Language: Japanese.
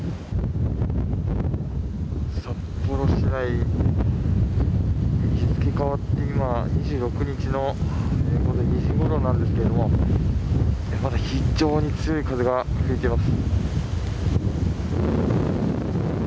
札幌市内日付が変わって、今２６日の午前２時ごろなんですけど非常に強い風が吹いています。